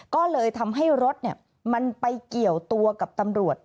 ก็เลยทำให้รถมันไปเกี่ยวตัวกับตำรวจ